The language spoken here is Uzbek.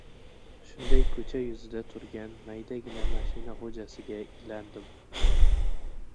Shunday ko‘cha yuzida turgan maydagina mashina xo‘jasiga elandim.